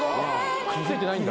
くっついてないんだ。